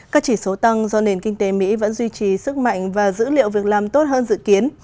các chỉ số tăng do nền kinh tế mỹ vẫn duy trì sức mạnh và dữ liệu việc làm tốt hơn dự kiến